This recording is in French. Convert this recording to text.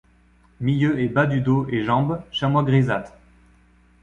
Milieu et bas du dos et jambes chamois grisâtre.